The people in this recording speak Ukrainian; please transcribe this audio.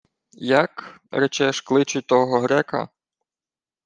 — Як, речеш, кличуть того грека?